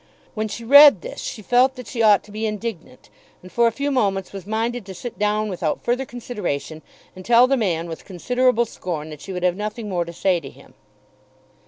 When she read this she felt that she ought to be indignant, and for a few moments was minded to sit down without further consideration and tell the man with considerable scorn that she would have nothing more to say to him.